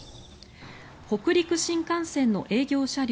北陸新幹線の営業車両